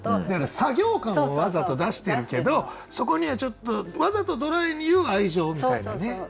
だから作業感をわざと出してるけどそこにはちょっとわざとドライに言う愛情みたいなね。